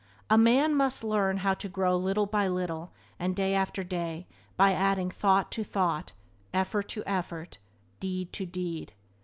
A man must learn how to grow little by little and day after day, by adding thought to thought, effort to effort, deed to deed.